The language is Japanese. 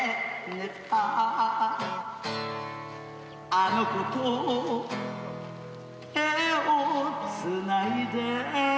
「あの娘と手をつないで」